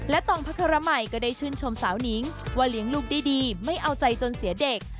ตองพระคารมัยก็ได้ชื่นชมสาวนิ้งว่าเลี้ยงลูกได้ดีไม่เอาใจจนเสียเด็ก